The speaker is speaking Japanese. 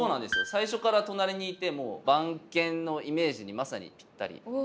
最初から隣にいてもう番犬のイメージにまさにぴったりですね。